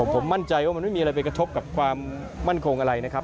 ผมมั่นใจว่ามันไม่มีอะไรไปกระทบกับความมั่นคงอะไรนะครับ